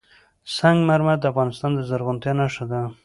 سنگ مرمر د افغانستان د زرغونتیا نښه ده.